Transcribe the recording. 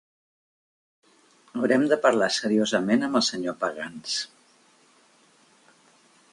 Haurem de parlar seriosament amb el senyor Pagans.